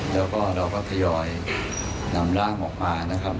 แล้วก็เราก็ทยอยนำร่างออกมานะครับ